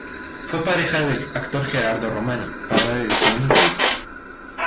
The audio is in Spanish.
Fue pareja del actor Gerardo Romano, padre de su único hijo.